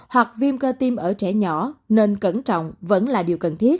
hoặc viêm ca tiêm ở trẻ nhỏ nên cẩn trọng vẫn là điều cần thiết